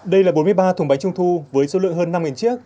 đây là bốn mươi ba thùng bánh trung thu với số lượng hơn năm chiếc